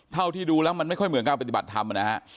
เท่าที่ดูแล้วมันไม่ค่อยเหมือนการปฏิบัติธรรมนะฮะ